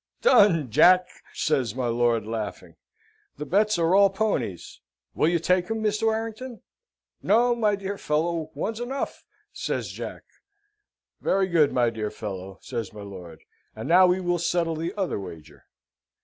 "Done, Jack!" says my lord, laughing. "The bets are all ponies. Will you take him, Mr. Warrington?" "No, my dear fellow one's enough," says Jack. "Very good, my dear fellow," says my lord; "and now we will settle the other wager."